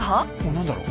何だろう？